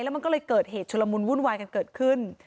มันก็เลยเกิดเหตุชุลมุนวุ่นวายกันเกิดขึ้น